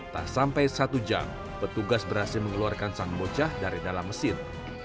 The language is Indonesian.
tak sampai satu jam petugas berhasil mengeluarkan sang bocah dari dalam mesin